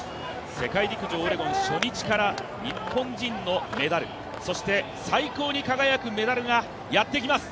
世界陸上オレゴン、初日から日本人のメダル、そして、最高に輝くメダルがやってきます。